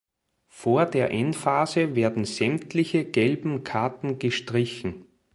Vor der Endphase werden sämtliche gelben Karten gestrichen.